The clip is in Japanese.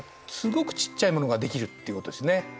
すごくちっちゃいものができるっていうことですね。